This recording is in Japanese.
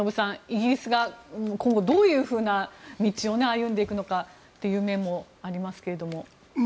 イギリスが今後どういうふうな道を歩んでいくのかという面もありますけれども。